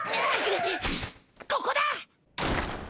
ここだ！